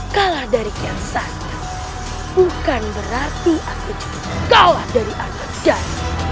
kalah dari kiasatnya bukan berarti aku jatuh kalah dari arga dan